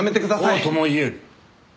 こうとも言える。